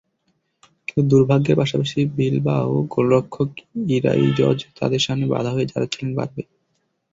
কিন্তু দুর্ভাগ্যের পাশাপাশি বিলবাও গোলরক্ষক ইরাইজজ তাদের সামনে বাধা হয়ে দাঁড়াচ্ছিলেন বারবারই।